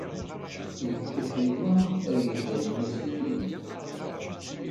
Yekkat Yuba ad yeǧǧ allen-is ldint.